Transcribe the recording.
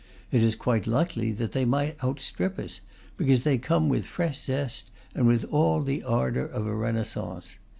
It is quite likely that they might outstrip us, because they come with fresh zest and with all the ardour of a renaissance.